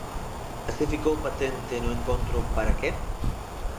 Así ficou patente no encontro Para que?